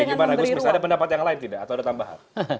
gimana gusmis ada pendapat yang lain tidak atau ada tambahan